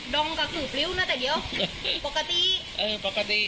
ดองกระขือบริ้วนะแต่เดียว